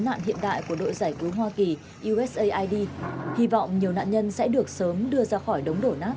nạn hiện đại của đội giải cứu hoa kỳ usaid hy vọng nhiều nạn nhân sẽ được sớm đưa ra khỏi đống đổ nát